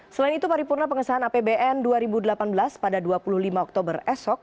selain itu paripurna pengesahan apbn dua ribu delapan belas pada dua puluh lima oktober esok